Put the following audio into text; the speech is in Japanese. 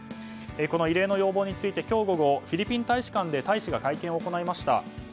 この異例の要望について今日午後フィリピン大使館で大使が会見を行いました。